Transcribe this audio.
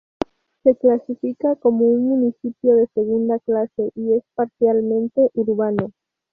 Se clasifica como un municipio de segunda clase, y es parcialmente urbano.